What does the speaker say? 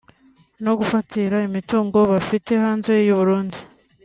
no gufatira imitungo bafite hanze y’u Burundi